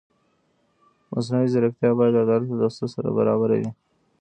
مصنوعي ځیرکتیا باید د عدالت له اصولو سره برابره وي.